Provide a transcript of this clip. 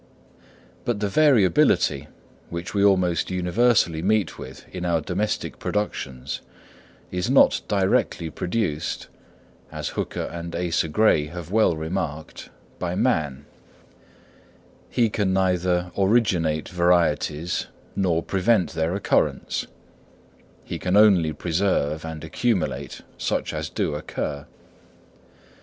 But the variability, which we almost universally meet with in our domestic productions is not directly produced, as Hooker and Asa Gray have well remarked, by man; he can neither originate varieties nor prevent their occurrence; he can only preserve and accumulate such as do occur.